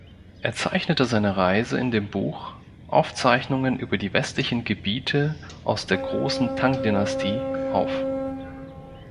Er zeichnete seine Reise in dem Buch „Aufzeichnungen über die Westlichen Gebiete aus der Großen Tang-Dynastie“ auf.